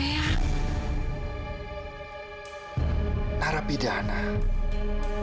siapa yang jadi narapidana bu